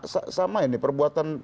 ya sama perbuatan